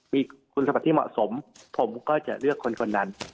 มีคุณสมบัติที่เหมาะสมผมก็จะเลือกคนคนนั้น